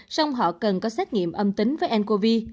xong họ cần có xét nghiệm âm tính với ncov